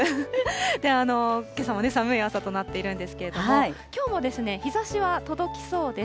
けさも寒い朝となっているんですけれども、きょうも日ざしは届きそうです。